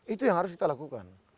itu yang harus kita lakukan